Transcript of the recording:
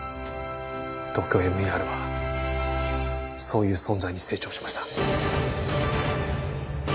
ＴＯＫＹＯＭＥＲはそういう存在に成長しました